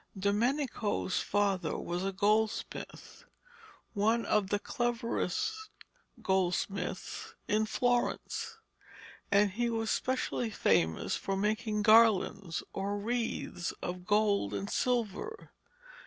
Domenico's father was a goldsmith, one of the cleverest goldsmiths in Florence, and he was specially famous for making garlands or wreaths of gold and silver.